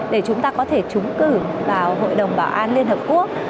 để chúng ta có thể trúng cử vào hội đồng bảo an liên hợp quốc